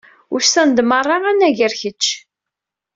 Usan-d merra anagar kečč.